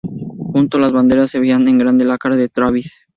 Junto a las banderas se veía en grande la cara de Travis.